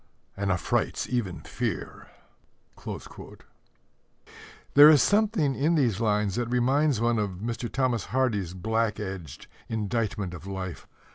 And affrights even fear. There is something in these lines that reminds one of Mr. Thomas Hardy's black edged indictment of life.